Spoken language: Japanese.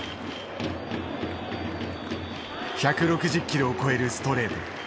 １６０キロを超えるストレート。